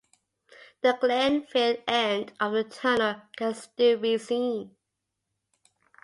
The Glenfield end of the tunnel can still be seen.